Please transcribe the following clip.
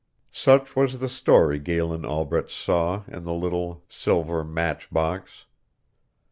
Such was the story Galen Albret saw in the little silver match box.